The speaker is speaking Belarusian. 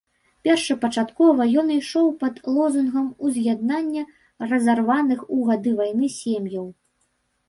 Першапачаткова ён ішоў пад лозунгам уз'яднання разарваных у гады вайны сем'яў.